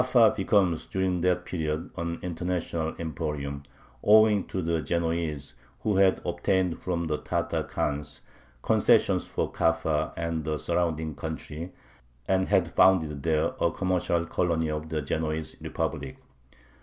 Kaffa becomes during that period an international emporium, owing to the Genoese, who had obtained from the Tatar khans concessions for Kaffa and the surrounding country, and had founded there a commercial colony of the Genoese Republic.